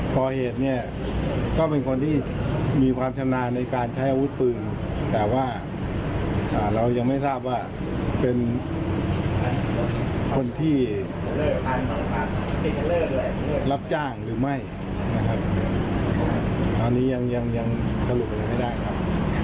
คำถามตรวจสอบว่าของคนตายไม่มีประวัติอาจจะมีประวัติยาเข็ดพิจารณาบ้างนะครับ